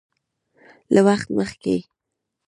له وخت مخکې